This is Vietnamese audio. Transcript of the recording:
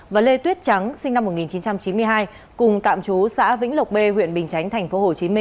và lê tuyết trắng sinh năm một nghìn chín trăm chín mươi hai cùng tạm chú xã vĩnh lộc b huyện bình chánh tp hcm